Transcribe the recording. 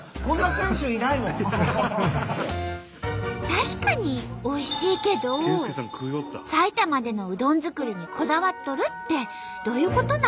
確かにおいしいけど埼玉でのうどん作りにこだわっとるってどういうことなんじゃろうね？